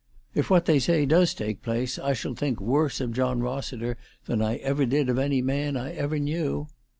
" If what they say does take place I shall think worse of John Rossiter than I ever did of any man I ever knew."